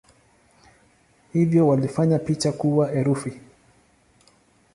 Hivyo walifanya picha kuwa herufi.